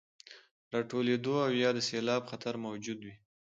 راټولېدو او يا د سيلاب خطر موجود وي،